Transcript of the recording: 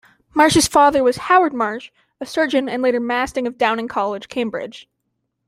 Marsh's father was Howard Marsh, a surgeon and later Master of Downing College, Cambridge.